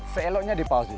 seeloknya di pause dulu